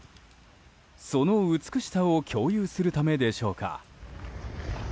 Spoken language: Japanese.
その美しさを共有するためでしょうか。